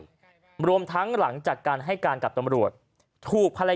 ไม่มุ่งออกไปรวมทั้งหลังจากการให้การกับตลอดถูกภาละ